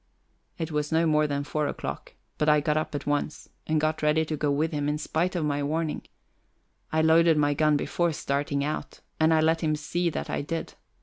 It was no more than four o'clock, but I got up at once and got ready to go with him, in spite of my warning. I loaded my gun before starting out, and I let him see that I did.